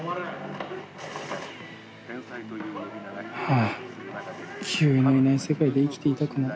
ああ清居のいない世界で生きていたくない。